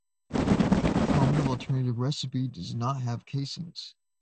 A common alternative recipe does not have casings.